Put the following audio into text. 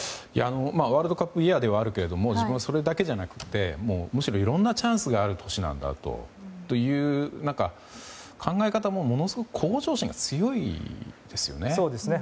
ワールドカップイヤーではあるけれども自分は、それだけじゃなくてむしろ、いろんなチャンスがある年なんだという考え方も、ものすごく向上心が強いですよね。